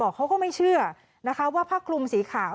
เขาก็ไม่เชื่อนะคะว่าผ้าคลุมสีขาว